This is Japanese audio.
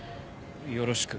よろしく。